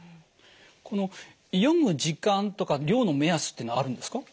この読む時間とか量の目安ってのはあるんですか？